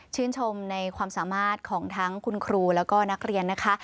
ชมในความสามารถของทั้งคุณครูแล้วก็นักเรียนนะคะ